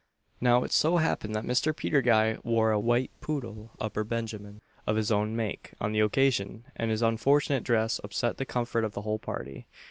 Now it so happened that Mr. Peter Guy wore a white poodle upper benjamin, of his own make, on the occasion, and this unfortunate dress upset the comfort of the whole party.